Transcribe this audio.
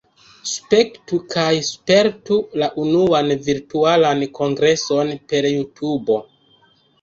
Spektu kaj spertu la unuan Virtualan Kongreson per JuTubo!